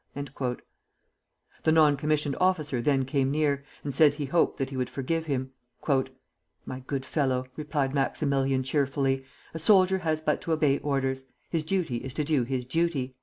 The non commissioned officer then came near, and said he hoped that he would forgive him. "My good fellow," replied Maximilian, cheerfully, "a soldier has but to obey orders; his duty is to do his duty."